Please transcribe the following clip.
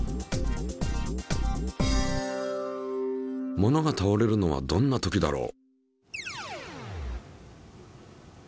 ものがたおれるのはどんな時だろう？